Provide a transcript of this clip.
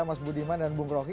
mas budiman dan bung rocky